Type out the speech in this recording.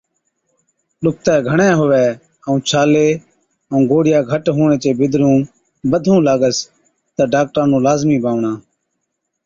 ڏُکتَي گھڻَي هُوَي ائُون ڇالي ائُون گوڙهِيا گھٽ هُوچي چي بِدرُون بڌُون لاگس تہ ڊاڪٽرا نُون لازمِي بانوَڻا،